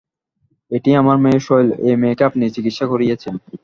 এটি আমার মেয়ে শৈল, এরই মেয়েকে আপনি চিকিৎসা করিয়াছেন।